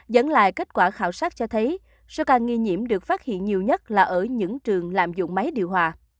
dẫn lại kết quả khảo sát cho thấy số ca nghi nhiễm được phát hiện nhiều nhất là ở những trường làm dụng máy điều hòa